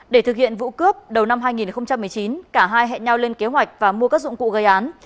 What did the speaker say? để thực hiện vụ cướp đầu năm hai nghìn một mươi chín cả hai hẹn nhau lên kế hoạch và mua các dụng cụ gây án